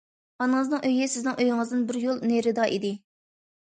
ئانىڭىزنىڭ ئۆيى سىزنىڭ ئۆيىڭىزدىن بىر يول نېرىدا ئىدى.